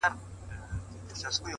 • زما مور، دنيا هېره ده،